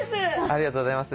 ありがとうございます。